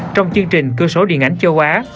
trong chương trình cơ sổ điện ảnh châu á